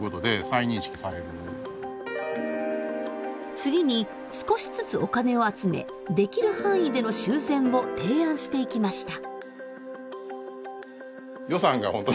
次に少しずつお金を集めできる範囲での修繕を提案していきました。